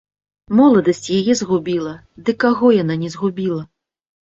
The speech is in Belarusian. Моладасць яе згубіла, ды каго яна не згубіла!